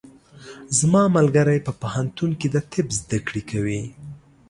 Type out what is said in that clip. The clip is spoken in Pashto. زما ملګری په پوهنتون کې د طب زده کړې کوي.